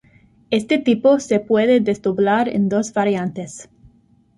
Este tipo se puede desdoblar en dos variantes.